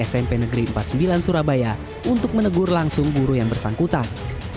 smp negeri empat puluh sembilan surabaya untuk menegur langsung guru yang bersangkutan